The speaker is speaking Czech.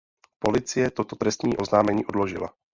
Policie toto trestní oznámení odložila.